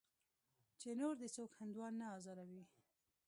چې نور دې څوک هندوان نه ازاروي.